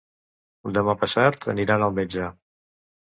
Demà passat aniran al metge.